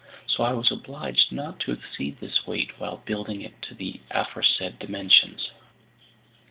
So I was obliged not to exceed this weight while building it to the aforesaid dimensions.